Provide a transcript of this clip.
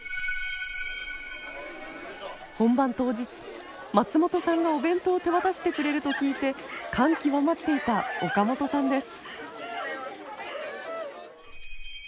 本番当日松本さんがお弁当を手渡してくれると聞いて感極まっていた岡本さんです。